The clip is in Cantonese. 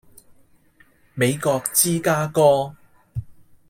美國芝加哥